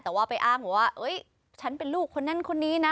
แต่ว่าไปอ้างบอกว่าฉันเป็นลูกคนนั้นคนนี้นะ